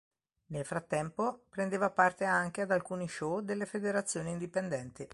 Nel frattempo, prendeva parte anche ad alcuni show delle federazioni indipendenti.